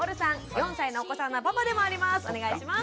４歳のお子さんのパパでもあります。